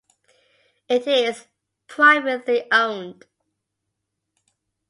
It is privately owned.